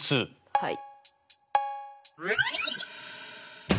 はい。